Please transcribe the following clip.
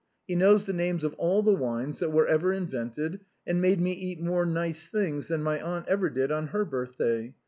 He knows the names of all the wines that ever were invented, and made me eat more nice things than my aunt ever did on her birthday.